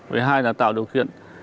với hai là tạo điều kiện